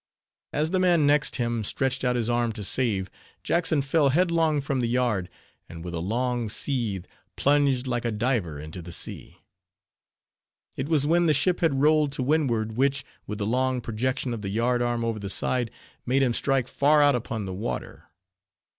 As the man next him stretched out his arm to save, Jackson fell headlong from the yard, and with a long seethe, plunged like a diver into the sea. It was when the ship had rolled to windward, which, with the long projection of the yard arm over the side, made him strike far out upon the water.